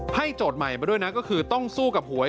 โจทย์ใหม่มาด้วยนะก็คือต้องสู้กับหวย